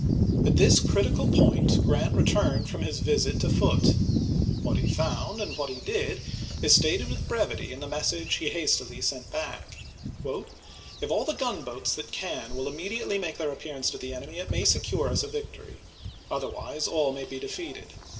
At this critical point Grant returned from his visit to Foote. What he found and what he did is stated with brevity in the message he hastily sent back : FOKT DONELSON 197 " If all the gunboats that can will immediately chap. xi. make their appearance to the enemy it may secure us a victory. Otherwise all may be defeated.